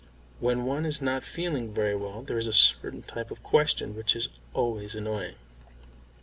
When one is not feeling very well there is a certain type of question which is always annoying.